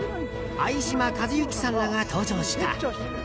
相島一之さんらが登場した。